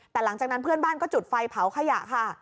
แต่หลังจากนั้นเพื่อนบ้านก็จุดไฟเผาขยะค่ะ